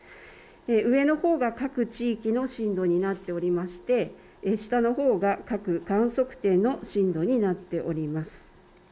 上のほうが各地域の震度になっておりまして下のほうが各観測点の震度になっております。